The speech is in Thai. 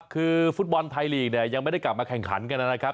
คือฟุตบอลไทยลีกเนี่ยยังไม่ได้กลับมาแข่งขันกันนะครับ